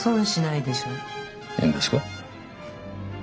いいんですか？